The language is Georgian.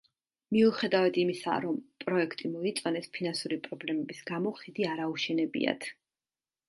მიუხედავად იმისა, რომ პროექტი მოიწონეს, ფინანსური პრობლემების გამო ხიდი არ აუშენებიათ.